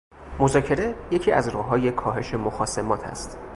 مذاکره یکی از راههای کاهش مخاصمات است